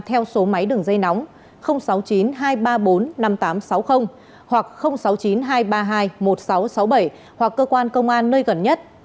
theo số máy đường dây nóng sáu mươi chín hai trăm ba mươi bốn năm nghìn tám trăm sáu mươi hoặc sáu mươi chín hai trăm ba mươi hai một nghìn sáu trăm sáu mươi bảy hoặc cơ quan công an nơi gần nhất